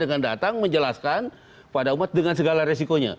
dengan datang menjelaskan pada umat dengan segala resikonya